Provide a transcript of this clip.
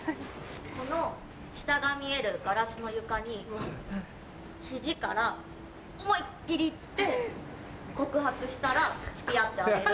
この下が見えるガラスの床に肘から思いっ切り行って告白したら付き合ってあげる。